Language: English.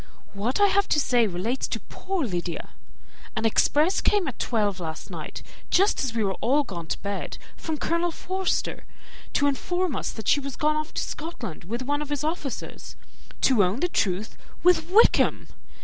What I have to say relates to poor Lydia. An express came at twelve last night, just as we were all gone to bed, from Colonel Forster, to inform us that she was gone off to Scotland with one of his officers; to own the truth, with Wickham!